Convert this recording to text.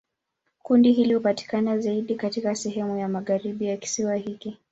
Kundi hili hupatikana zaidi katika sehemu ya magharibi ya kisiwa hiki.